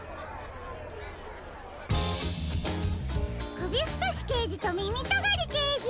くびふとしけいじとみみとがりけいじ！